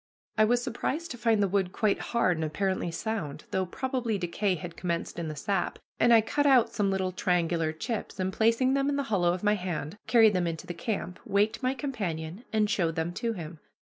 I was surprised to find the wood quite hard and apparently sound, though probably decay had commenced in the sap, and I cut out some little triangular chips, and, placing them in the hollow of my hand, carried them into the camp, waked my companion, and showed them to him.